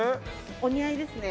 お似合いですね